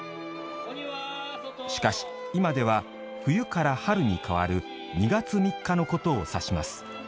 しかし今では冬から春に変わる２月３日のことを指します。